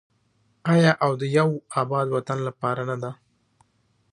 آیا او د یو اباد وطن لپاره نه ده؟